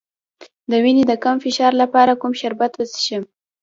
د وینې د کم فشار لپاره کوم شربت وڅښم؟